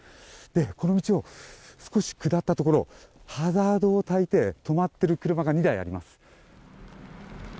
この道を少し下ったところハザードをたいて止まっている車が２台あります。